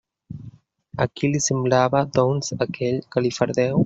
A qui li semblava, doncs, aquell galifardeu?